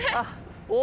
お！